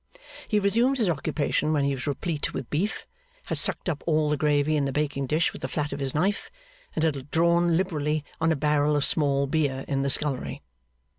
He resumed this occupation when he was replete with beef, had sucked up all the gravy in the baking dish with the flat of his knife, and had drawn liberally on a barrel of small beer in the scullery.